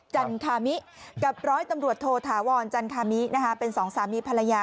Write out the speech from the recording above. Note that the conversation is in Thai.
จันคามิกับร้อยตำรวจโทธาวรจันคามิเป็นสองสามีภรรยา